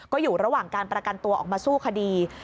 ก็อยู่ระหว่างการประกันตัวออกมาสู้คดี